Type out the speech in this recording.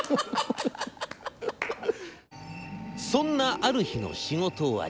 「そんなある日の仕事終わり。